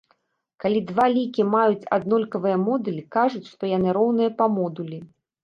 Калі два лікі маюць аднолькавыя модулі, кажуць, што яны роўныя па модулі.